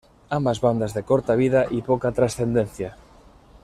Ambas bandas de corta vida y poca trascendencia.